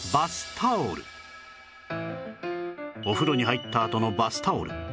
お風呂に入ったあとのバスタオル